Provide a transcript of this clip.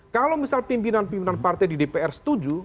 kalau misal pimpinan pimpinan partai di dpr setuju